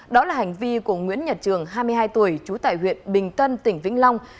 đó là hành vi của nguyễn nhật trường hai mươi hai tuổi trú tại huyện bình tân tỉnh vĩnh long